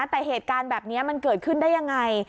แต่เหตุการณ์แบบนี้มันเกิดขึ้นได้ยังไง